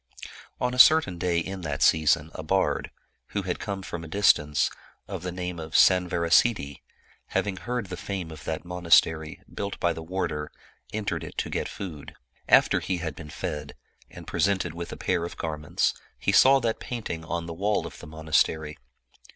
" On a certain day in that season a bard, who had come from a distance, of the name of Sanvarasiddhi, having heard the fame of that monastery, built by the warder, entered it to get food. After he had been fed, and presented with a pair of gar ments, he saw that painting on the wall of the monastery.